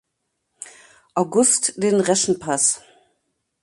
August den Reschenpass.